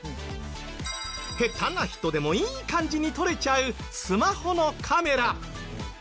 下手な人でもいい感じに撮れちゃうスマホのカメラ。